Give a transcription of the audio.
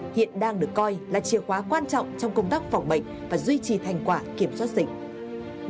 hiện đang được coi là chìa khóa quan trọng trong công tác phòng bệnh và duy trì thành quả kiểm soát dịch